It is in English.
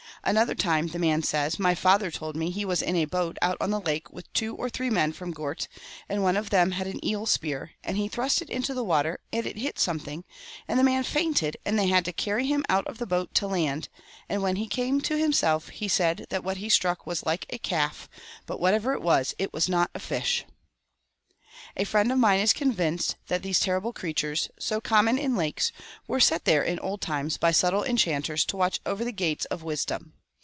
' Another time,' the man says, ' my father told me he was in a boat out on the lake with two or three men from Gort, and one of them had an eel spear, and he thrust it into the water, and it hit something, and the man fainted and they had to carry him out of the boat to land, and when he came to himself he said that what he struck was like a calf, but whatever it was, it was not fish !' A friend of mine is convinced that these terrible creatures, so common in lakes, were set there in old times by subtle enchanters to watch over the gates of wisdom.